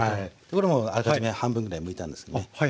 これもうあらかじめ半分でむいてあるんですけどね。